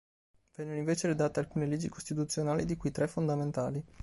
Vennero invece redatte alcune leggi costituzionali di cui tre fondamentali.